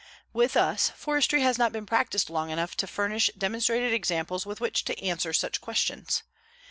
With us forestry has not been practiced long enough to furnish demonstrated examples with which to answer such questions.